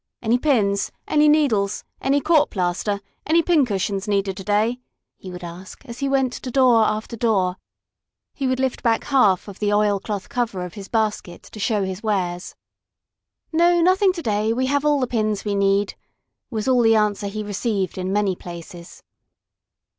"Any pins? Any needles? Any court plaster? Any pin cushions needed to day?" he would ask, as he went to door after door. He would lift back half of the oilcloth cover of his basket to show his wares. "No, nothing to day! We have all the pins we need," was all the answer he received in many places.